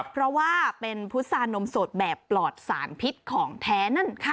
เพราะว่าเป็นพุษานมสดแบบปลอดสารพิษของแท้นั่นค่ะ